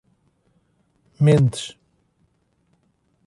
Mendes